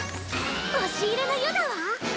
押し入れの湯だわ！